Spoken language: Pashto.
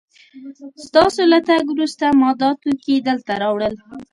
ستاسو له تګ وروسته ما دا توکي دلته راوړل